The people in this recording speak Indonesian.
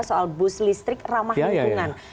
soal bus listrik ramah lingkungan